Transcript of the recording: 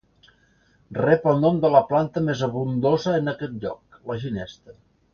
Rep el nom de la planta més abundosa en aquest lloc, la ginesta.